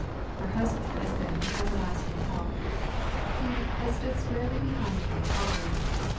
Her husband has been her everlasting help. He "has stood squarely be hind me, always.